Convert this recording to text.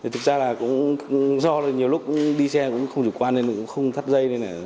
thực ra là do nhiều lúc đi xe cũng không chủ quan nên cũng không thất dây